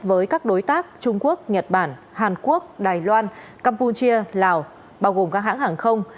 với các đối tác trung quốc nhật bản hàn quốc đài loan campuchia lào bao gồm các hãng hàng không